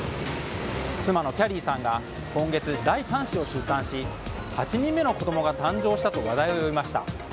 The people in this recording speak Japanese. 妻のキャリーさんが今月、第３子を出産し８人目の子供が誕生したと話題を呼びました。